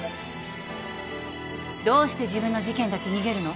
どうして自分の事件だけ逃げるの？